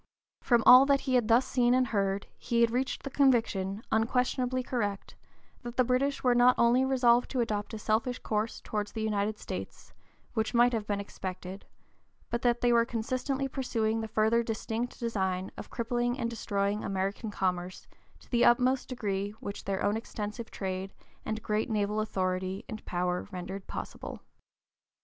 From all that he had thus seen and heard he had reached the conviction, unquestionably correct, that the British were not only resolved to adopt a selfish course towards the United States, which might have been expected, but that they were consistently pursuing the further distinct design of crippling and destroying American commerce, to the utmost degree which their own extensive trade and great naval authority and power rendered possible.